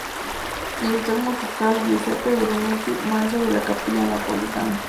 Director musical: Giuseppe Brunetti Maestro de la Capilla Napolitana.